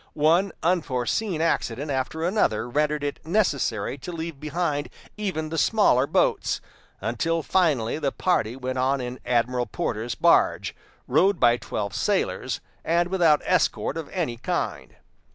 One unforeseen accident after another rendered it necessary to leave behind even the smaller boats, until finally the party went on in Admiral Porter's barge, rowed by twelve sailors, and without escort of any kind.